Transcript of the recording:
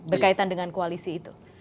berkaitan dengan koalisi itu